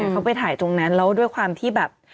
เขาไปถ่ายตรงนั้นแล้วด้วยความที่แบบ